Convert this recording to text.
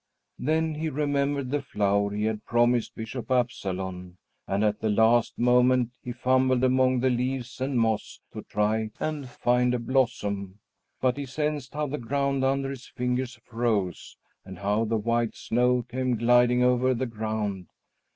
Then he remembered the flower he had promised Bishop Absalon, and at the last moment he fumbled among the leaves and moss to try and find a blossom. But he sensed how the ground under his fingers froze and how the white snow came gliding over the ground.